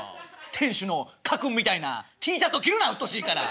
店主の家訓みたいなＴシャツを着るなうっとうしいから。